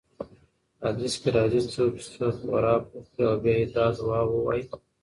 حديث کي راځي: څوک چې څه خوراک وخوري او بيا دا دعاء ووايي: